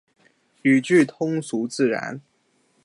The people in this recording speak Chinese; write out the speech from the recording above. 语句通俗自然